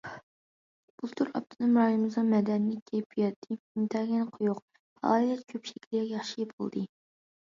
بۇلتۇر ئاپتونوم رايونىمىزنىڭ مەدەنىيەت كەيپىياتى ئىنتايىن قويۇق، پائالىيەت كۆپ، شەكلى ياخشى بولدى.